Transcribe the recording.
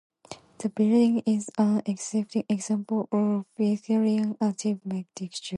The building is an exquisite example of Victorian architecture.